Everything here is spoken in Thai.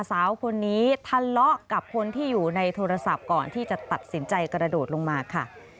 สาวคนนี้ทะเลาะกับคนที่อยู่ในโทรศัพท์ก่อนที่จะตัดสินใจกระโดดลงมาค่ะ